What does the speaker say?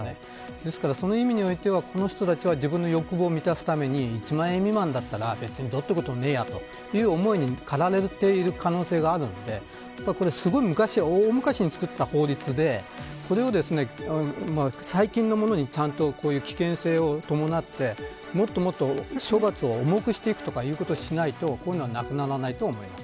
ですから、そういう意味ではこの人たちは自分の欲望を満たすために１万円未満だったらどうってことないという思いに駆られている可能性があるのでこれは大昔に作った法律でこれを最近のものに危険性に伴って処罰を重くしていくということをしないとなくならないと思います。